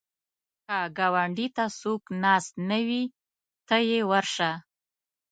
که ګاونډي ته څوک ناست نه وي، ته یې ورشه